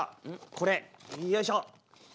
これよいしょ。